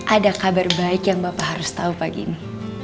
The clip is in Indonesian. ada kabar baik yang bapak harus tahu pagi ini